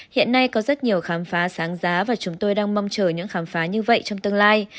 hiện nay có rất nhiều khám phá sáng giá và chúng tôi đang mong chờ những khám phá như vậy trong tương lai